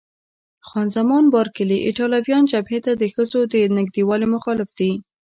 خان زمان بارکلي: ایټالویان جبهې ته د ښځو د نږدېوالي مخالف دي.